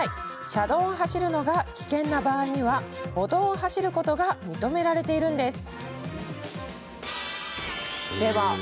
車道を走るのが危険な場合には歩道を走ることが認められています。